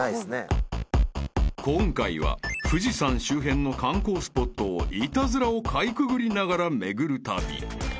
［今回は富士山周辺の観光スポットをイタズラをかいくぐりながら巡る旅］